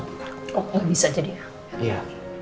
oh nggak bisa jadinya